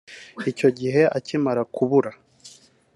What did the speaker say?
Icyo gihe akimara kubura